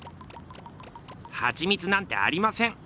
ハチミツなんてありません。